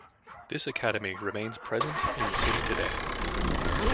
This academy remains present in the city today.